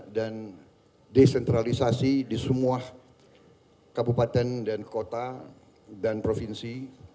dan desentralisasi di semua kabupaten dan kota dan provinsi